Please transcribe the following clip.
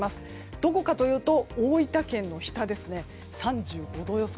どこかというと大分県の日田ですね３５度予想。